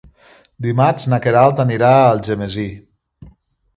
Dimarts na Queralt anirà a Algemesí.